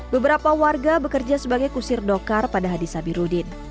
beberapa warga bekerja sebagai kusir dokar pada hadi sabirudin